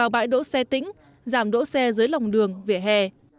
bãi đỗ xe tỉnh giảm đỗ xe dưới lòng đường vỉa hè